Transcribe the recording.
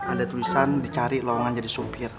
ada tulisan dicari lowongan jadi supir